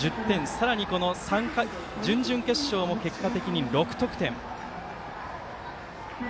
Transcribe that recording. さらに準々決勝も結果的に６得点。